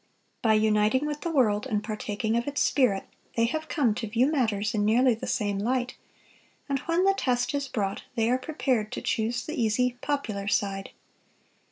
By uniting with the world and partaking of its spirit, they have come to view matters in nearly the same light; and when the test is brought, they are prepared to choose the easy, popular side.